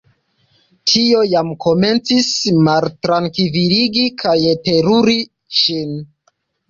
Tio jam komencis maltrankviligi kaj teruri ŝin.